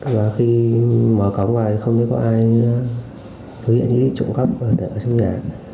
và khi mở cổng vào thì không thấy có ai thực hiện ý định trộm cắt ở trong nhà